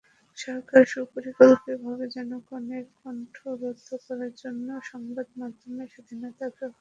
সরকার সুপরিকল্পিতভাবে জনগণের কণ্ঠ রোধ করার জন্য সংবাদমাধ্যমের স্বাধীনতাকে হরণ করেই চলেছে।